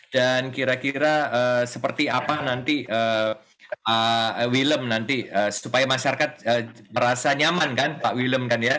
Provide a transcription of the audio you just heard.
dan kira kira seperti apa nanti pak willem supaya masyarakat merasa nyaman pak willem